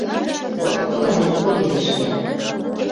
— Вот тыланет «конешне»..